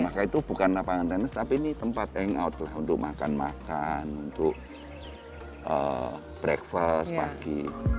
maka itu bukan lapangan tenis tapi ini tempat hangout lah untuk makan makan untuk breakfast pagi